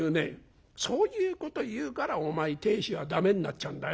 そういうこと言うからお前亭主は駄目になっちゃうんだよ。